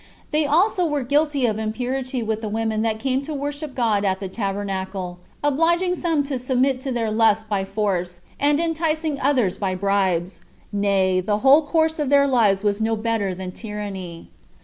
They also were guilty of impurity with the women that came to worship God at the tabernacle, obliging some to submit to their lust by force, and enticing others by bribes; nay, the whole course of their lives was no better than tyranny.